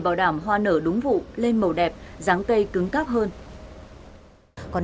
bảo đảm hoa nở đúng vụ lên màu đẹp ráng cây cứng cắp hơn